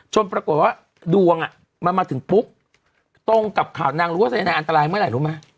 ปรากฏว่าดวงมันมาถึงปุ๊บตรงกับข่าวนางรู้ว่าสายนายอันตรายเมื่อไหร่รู้ไหม